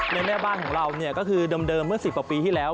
ในแม่บ้านของเราก็คือเดิมเมื่อ๑๐กว่าปีที่แล้ว